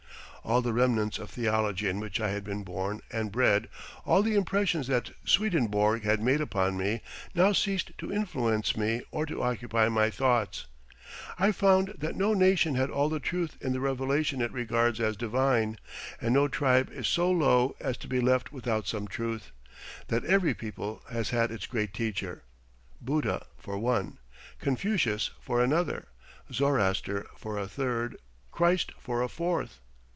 All the remnants of theology in which I had been born and bred, all the impressions that Swedenborg had made upon me, now ceased to influence me or to occupy my thoughts. I found that no nation had all the truth in the revelation it regards as divine, and no tribe is so low as to be left without some truth; that every people has had its great teacher; Buddha for one; Confucius for another; Zoroaster for a third; Christ for a fourth.